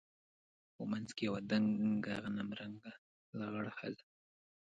په منځ کښې يوه دنګه غنم رنګه لغړه ښځه.